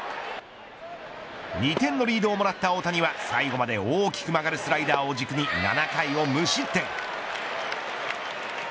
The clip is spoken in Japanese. ２点のリードをもらった大谷は最後まで大きく曲がるスライダーを軸に７回を無失点。